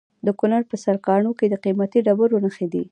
د کونړ په سرکاڼو کې د قیمتي ډبرو نښې دي.